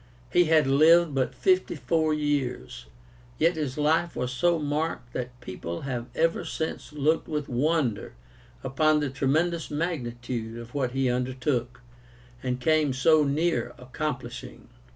He had lived but fifty four years, yet his life was so marked that people have ever since looked with wonder upon the tremendous magnitude of what he undertook, and came so near accomplishing.